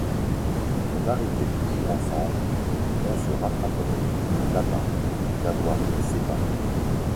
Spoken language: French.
On arriverait toujours ensemble, on se rattraperait, là-bas, d'avoir été séparés.